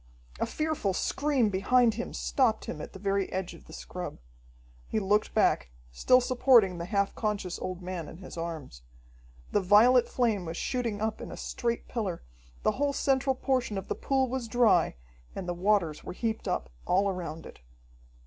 A fearful scream behind him stopped him at the very edge of the scrub. He looked back, still supporting the half conscious old man in his arms. The violet flame was shooting up in a straight pillar, the whole central portion of the pool was dry, and the waters were heaped up all around it.